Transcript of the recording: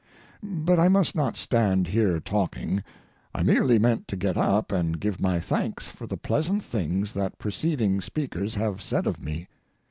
But I must not stand here talking. I merely meant to get up and give my thanks for the pleasant things that preceding speakers have said of me.